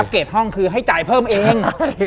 เกรดห้องคือให้จ่ายเพิ่มเอง